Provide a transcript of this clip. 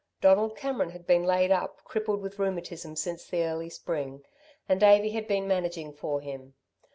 Donald Cameron had been laid up, crippled with rheumatism since the early spring, and Davey had been managing for him.